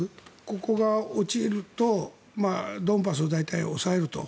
ここが落ちるとドンバスを大体押さえると。